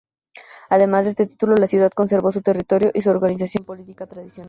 Además de este título, la ciudad conservó su territorio y su organización política tradicional.